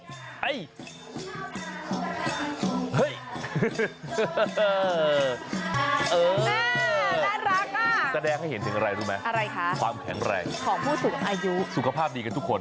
น่ารักอ่ะแสดงให้เห็นถึงอะไรรู้ไหมอะไรคะความแข็งแรงของผู้สูงอายุสุขภาพดีกันทุกคน